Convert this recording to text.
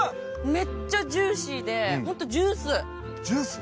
めっちゃジューシーでホントジュース！ジュース？